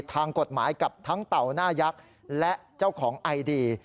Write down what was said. ทางกฎหมายกับทั้งเต่าหน้ายักษ์และเจ้าของไอดี